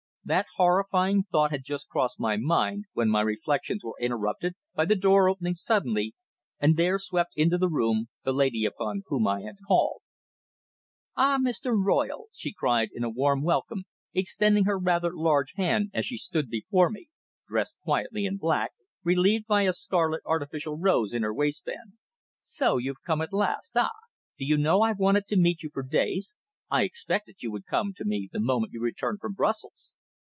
That horrifying thought had just crossed my mind when my reflections were interrupted by the door opening suddenly and there swept into the room the lady upon whom I had called. "Ah! Mr. Royle!" she cried in warm welcome, extending her rather large hand as she stood before me, dressed quietly in black, relieved by a scarlet, artificial rose in her waistband. "So you've come at last. Ah! do you know I've wanted to meet you for days. I expected you would come to me the moment you returned from Brussels."